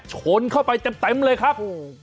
ชนเข้าไปเต็มเลยครับ